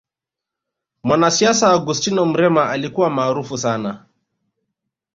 mwanasiasa augustino mrema alikuwa maarufu sana